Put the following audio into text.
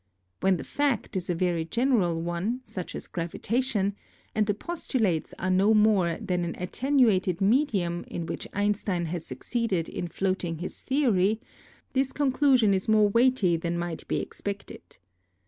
When the fact is a very general one, such as gravitation, and the postulates are no more than that attenuated medium in which Einstein has succeeded in floating his theory, this conclusion is more weighty than might be expected.